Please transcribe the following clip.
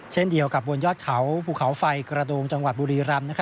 เช่นเดียวกับบนยอดเขาภูเขาไฟกระโดงจังหวัดบุรีรำ